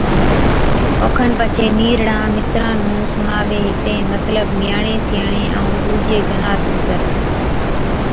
اوکن پڇي نِيرڙان مِتران نُون سُڻاوَي ھِتين، مطلب نِياڻي سِياڻي ائُون ڏُوجي گنات مِتر